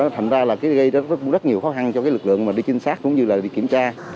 thành ra là gây rất nhiều khó khăn cho cái lực lượng mà đi trinh sát cũng như là đi kiểm tra